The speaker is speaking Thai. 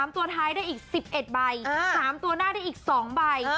ตัวท้ายได้อีก๑๑ใบ๓ตัวหน้าได้อีก๒ใบ